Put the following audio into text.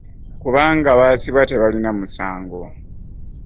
Kubanga baasibwa tebalina musango